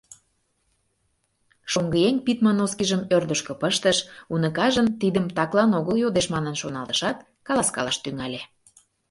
Шоҥгыеҥ пидме носкижым ӧрдыжкӧ пыштыш, уныкажын тидым таклан огыл йодеш манын шоналтышат, каласкалаш тӱҥале: